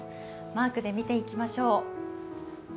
マークで見ていきましょう。